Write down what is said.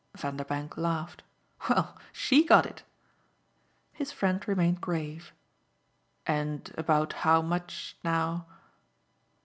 Vanderbank laughed. "Well, SHE got it." His friend remained grave. "And about how much now